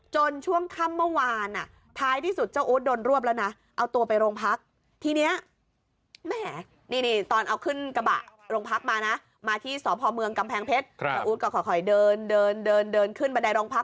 เจ้าอู๋ก็ค่อยเดินขึ้นบันไดโรงพัก